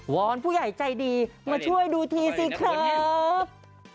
อนผู้ใหญ่ใจดีมาช่วยดูทีสิครับ